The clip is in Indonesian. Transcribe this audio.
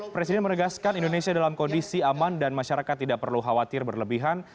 presiden menegaskan indonesia dalam kondisi aman dan masyarakat tidak perlu khawatir berlebihan